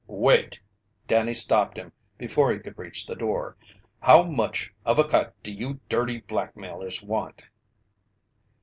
"Wait!" Danny stopped him before he could reach the door. "How much of a cut do you dirty blackmailers want?"